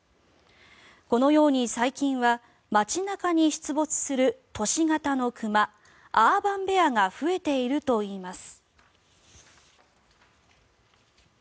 このように最近は街中に出没する都市型の熊アーバンベアが増えているといいます。